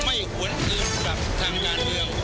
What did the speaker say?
ไม่ควรเกิดกลับทางด้านเดียว